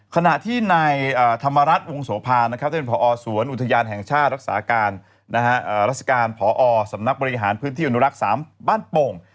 ขณะที่นายธรรมรัฐวงโสภานะครับท่านผอสวนอุทยานแห่งชาติรักษาการราชการพอสำนักบริหารพื้นที่อนุรักษ์๓บ้านโป่ง